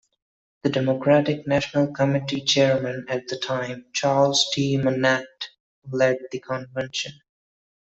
The Democratic National Committee Chairman at the time, Charles T. Manatt, led the convention.